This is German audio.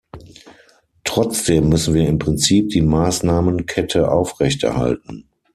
Trotzdem müssen wir im Prinzip die Maßnahmenkette aufrechterhalten.